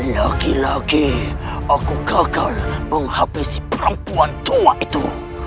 lagi lagi aku gagal menghapus si perempuan tua itu